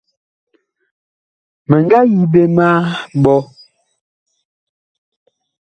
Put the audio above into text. Mi nga yi ɓe ma ɓɔ.